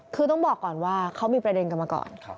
คือต้องบอกก่อนว่าเขามีประเด็นกันมาก่อน